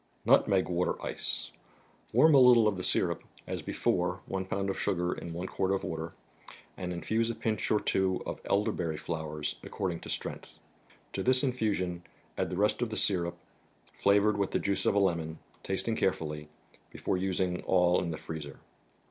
Nutmeg mater Warm ? 'f* o£ the "' syrup (as before, one pound of sugar in one quart of water), and infuse a pinch or two of elderberry flowers, according to strength. To this infusion add the rest of the syrup, flavored with the juice of a lemon, tasting carefully, before using all in the freezer.